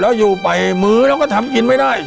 แล้วอยู่ไปมื้อเราก็ทำกินไม่ได้